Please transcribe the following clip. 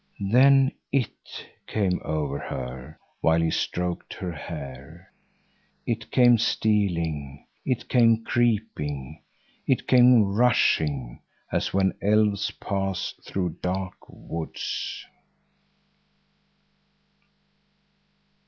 Then "it" came over her while he stroked her hair. It came stealing, it came creeping, it came rushing, as when elves pass through dark woods.